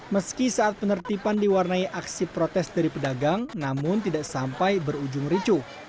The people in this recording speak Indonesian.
meski saat penertiban diwarnai aksi protes dari pedagang namun tidak sampai berujung ricu